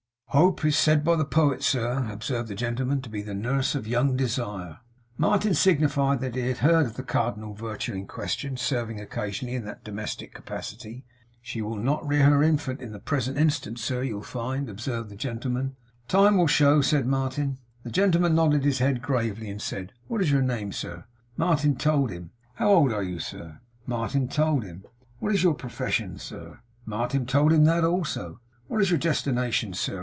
'Hope is said by the poet, sir,' observed the gentleman, 'to be the nurse of young Desire.' Martin signified that he had heard of the cardinal virtue in question serving occasionally in that domestic capacity. 'She will not rear her infant in the present instance, sir, you'll find,' observed the gentleman. 'Time will show,' said Martin. The gentleman nodded his head gravely; and said, 'What is your name, sir?' Martin told him. 'How old are you, sir?' Martin told him. 'What is your profession, sir?' Martin told him that also. 'What is your destination, sir?